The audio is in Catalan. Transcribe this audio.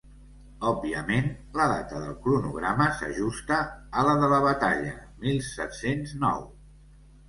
Òbviament, la data del cronograma s'ajusta a la de la batalla: mil set-cents nou.